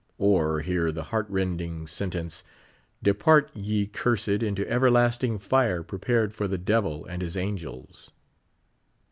Or hear the heart rending sentence: "Depart, ye cursed, into everlasting fire i)re])ared for the devil and his angels."